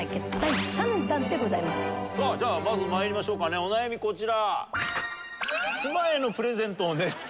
じゃあまずまいりましょうかねお悩みこちら。